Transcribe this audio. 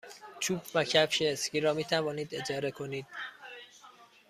چوب و کفش اسکی را می توانید اجاره کنید.